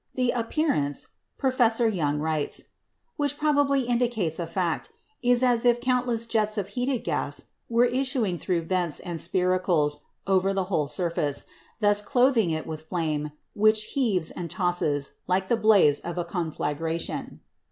"The appearance," Professor Young writes, "which probably indicates a fact, is as if countless jets of heated gas were issuing through vents and spiracles over the whole surface, thus clothing it with flame which heaves and tosses like the blaze of a conflagration."